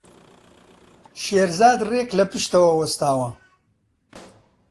شێرزاد ڕێک لە پشتتەوە وەستاوە.